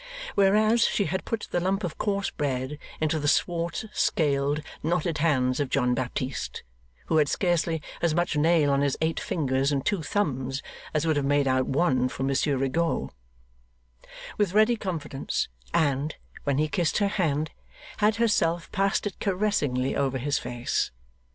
Whereas she had put the lump of coarse bread into the swart, scaled, knotted hands of John Baptist (who had scarcely as much nail on his eight fingers and two thumbs as would have made out one for Monsieur Rigaud), with ready confidence; and, when he kissed her hand, had herself passed it caressingly over his face.